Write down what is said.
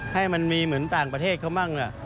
ให้มันมีเหมือนต่างประเทศเขามั่ง